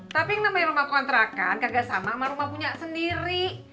tapi yang namanya rumah kontrakan kagak sama sama rumah punya sendiri